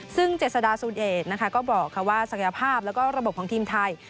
ซึ่งเจษฎาซูนเดชนะคะก็บอกว่าศักยภาพแล้วก็ระบบของทีมไทย